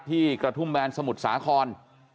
ที่กระทุ่มแมนสมุทรสาคอน